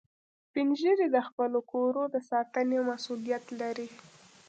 سپین ږیری د خپلو کورو د ساتنې مسؤولیت لري